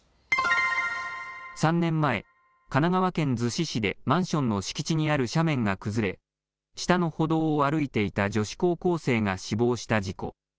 ３年前、神奈川県逗子市でマンションの敷地にある斜面が崩れ、下の歩道を歩いていた女子高校生が死亡した事故。